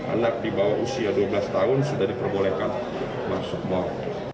anak di bawah usia dua belas tahun sudah diperbolehkan masuk mal